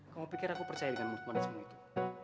kau mau pikir aku percaya dengan mukmanismu itu